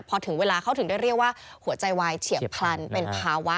พอถึงเวลาเขาถึงได้เรียกว่าหัวใจวายเฉียบพลันเป็นภาวะ